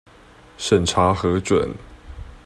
審查核准